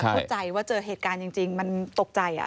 เข้าใจว่าเจอเหตุการณ์จริงมันตกใจ